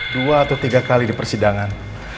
dua atau tiga kali di persidangan